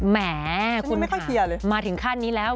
แหมคุณค่ะมาถึงขั้นนี้แล้ว